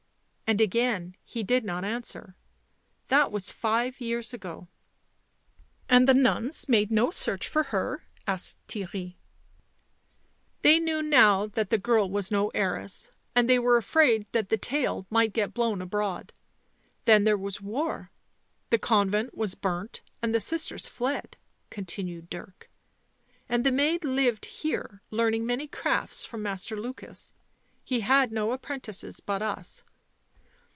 And again he did not answer. That was five years ago." " And the nuns made no search for her?" asked Theirry. u They knew now that the girl was no heiress, and they were afraid that the tale might get blown abroad. Then there was war. The convent was burnt and the sisters fled," continued Dirk. " And the maid lived here, learning many crafts from Master Lukas. He had no apprentices but us."